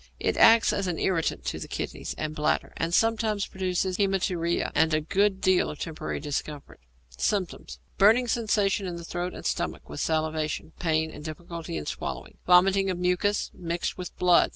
It acts as an irritant to the kidneys and bladder, and sometimes produces haæmaturia and a good deal of temporary discomfort. Symptoms. Burning sensation in the throat and stomach, with salivation, pain and difficulty in swallowing. Vomiting of mucus mixed with blood.